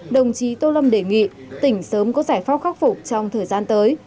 đồng chí tô lâm đề nghị tỉnh sớm có giải pháp khắc phục trong thời gian tới